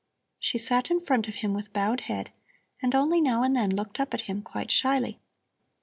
She sat in front of him with bowed head, and only now and then looked up at him, quite shyly.